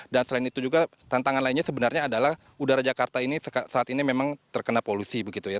dan selain itu juga tantangan lainnya sebenarnya adalah udara jakarta ini saat ini memang terkena polusi begitu ya